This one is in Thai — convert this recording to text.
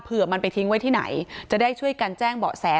เพื่อมันไปทิ้งไว้ที่ไหนจะได้ช่วยกันแจ้งเบาะแส